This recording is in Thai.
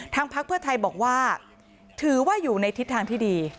พักเพื่อไทยบอกว่าถือว่าอยู่ในทิศทางที่ดี